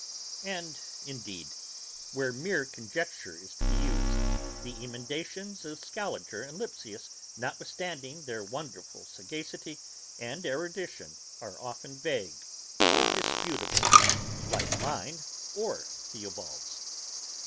And indeed, where mere conjecture is to be used, the emendations of Scaliger and Lipsius, notwithstanding their wonderful sagacity and erudition, are often vague and disputable, like mine or Theobald's.